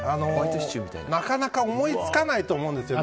なかなか思いつかないと思うんですね。